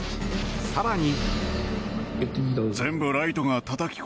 更に。